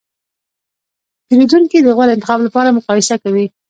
پیرودونکي د غوره انتخاب لپاره مقایسه کوي.